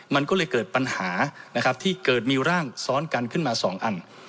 มันก็เลยเกิดปัญหานะครับที่เกิดมีร่างซ้อนกันขึ้นมา๒อัน